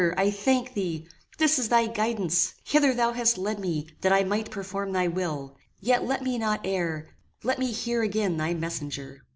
I thank thee. This is thy guidance. Hither thou hast led me, that I might perform thy will: yet let me not err: let me hear again thy messenger!"